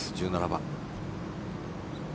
１７番。